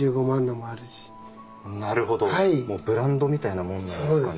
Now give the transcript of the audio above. もうブランドみたいなものなんですかね？